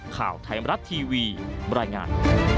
ข่าวไทยมรัฐทีวีบรรยายงาน